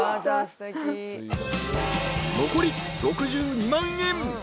［残り６２万円。